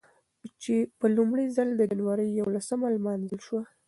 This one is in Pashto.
په لومړي ځل د جنورۍ یولسمه نمانځل شوه.